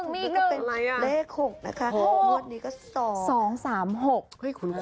มีอีก๑